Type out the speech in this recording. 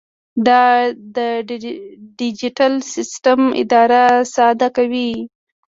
دا ډیجیټل سیسټم اداره ساده کوي.